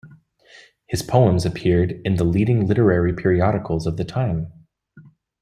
His poems appeared in the leading literary periodicals of the time.